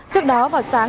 trước đó vào sáng